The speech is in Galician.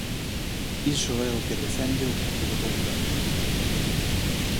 Iso é o que defende o Partido Popular.